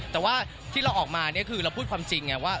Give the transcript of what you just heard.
แต่ว่าที่เราออกมาเนี่ยคือเราพูดความจริงไงว่า